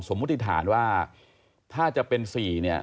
มติฐานว่าถ้าจะเป็น๔เนี่ย